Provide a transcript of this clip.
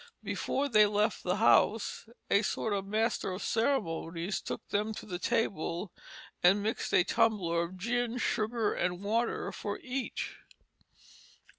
Before they left the house a sort of master of ceremonies took them to the table and mixed a tumbler of gin, sugar and water for each."